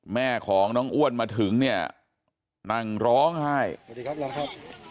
แม่ของน้องอ้วนมาถึงเนี่ยนั่งร้องไห้สวัสดีครับ